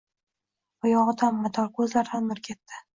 Oyog’idan mador, ko’zidan nur ketdi.